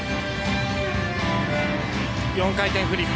４回転フリップ。